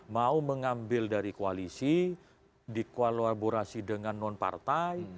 mau mengambil dari koalisi dikolaborasi dengan non partai